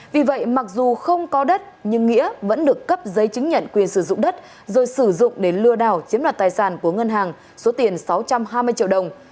vì vậy mặc dù không có đất nhưng nghĩa vẫn được cấp giấy chứng nhận quyền sử dụng đất rồi sử dụng để lừa đảo chiếm đoạt tài sản của ngân hàng số tiền sáu trăm hai mươi triệu đồng